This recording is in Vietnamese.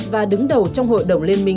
và đứng đầu trong hội đồng liên minh